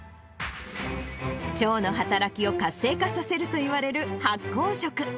腸の働きを活性化させるといわれる発酵食。